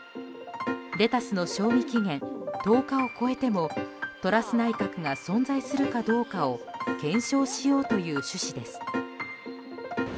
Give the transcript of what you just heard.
レタスの賞味期限１０日を超えてもトラス内閣が存在するかどうかを検証しようという趣旨です。